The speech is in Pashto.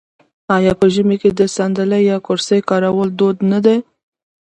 آیا په ژمي کې د ساندلۍ یا کرسۍ کارول دود نه دی؟